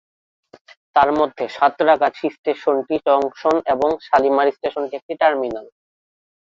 তারমধ্যে সাঁতরাগাছি স্টেশনটি জংশন এবং শালিমার স্টেশনটি একটি টার্মিনাল।